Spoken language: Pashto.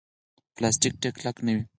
پلاستيک ډېر کلک نه وي.